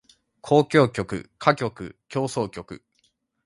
交響曲歌曲協奏曲